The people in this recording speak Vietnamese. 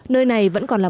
nơi này vẫn còn là